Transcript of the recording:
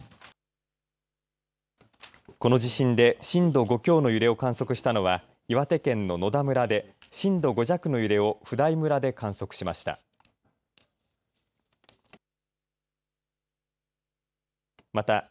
この地震で震度５強の揺れを観測したのは岩手県の野田村で震度５弱の揺れを普代村で観測しました。